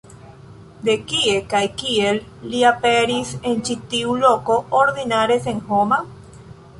De kie kaj kiel li aperis en ĉi tiu loko, ordinare senhoma?